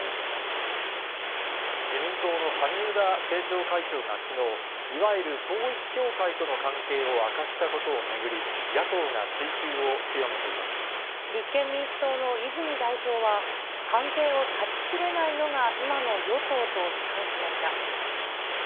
自民党の萩生田政調会長がきのう、いわゆる統一教会との関係を明かしたことを巡り、野党が追及を強立憲民主党の泉代表は、関係を断ち切れないのが今の与党と批判しました。